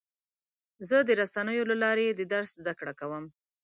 زه د رسنیو له لارې د درس زده کړه کوم.